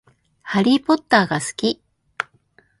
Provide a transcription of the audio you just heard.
ハリーポッターが好き